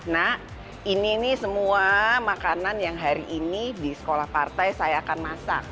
nah ini nih semua makanan yang hari ini di sekolah partai saya akan masak